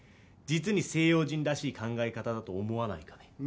実に西洋人らしい考え方だと思わないかね？